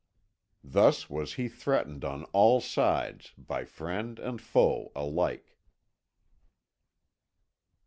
Thus was he threatened on all sides by friend and foe alike.